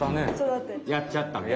やっちゃったね。